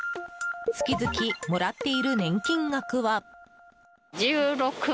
月々もらっている年金額は。